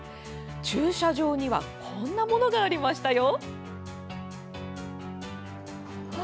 駐車場にはこんなものがありましたよ！